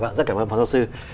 vâng rất cảm ơn phóng sư